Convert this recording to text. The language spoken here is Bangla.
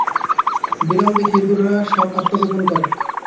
বিড়াল দেখে ইঁদুররা সব আত্মগোপন করে।